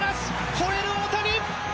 吠える大谷！